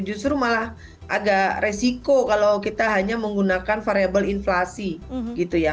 justru malah agak resiko kalau kita hanya menggunakan variable inflasi gitu ya